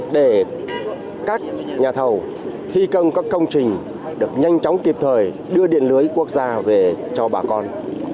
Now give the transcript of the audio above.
để các nhà thầu thi công các công trình được nhanh chóng kịp thời đưa điện lưới quốc gia về cho bà con